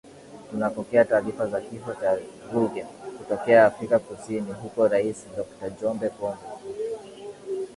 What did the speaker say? tunapokea taarifa za kifo cha Ruge kutokea Afrika kusini huku Rais Dokta Jombe Pombe